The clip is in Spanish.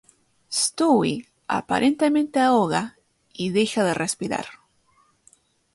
Stewie aparentemente ahoga y deja de respirar.